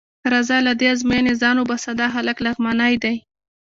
راځه له دې ازموینې ځان وباسه، دا هلک لغمانی دی.